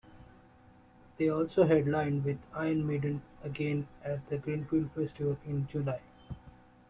They also headlined with Iron Maiden again at the Greenfield Festival in July.